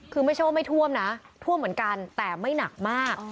คือไม่ใช่ว่าไม่ท่วมนะท่วมเหมือนกันแต่ไม่หนักมาก